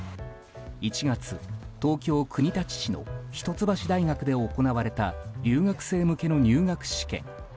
１月、東京・国立市の一橋大学で行われた留学生向けの入学試験。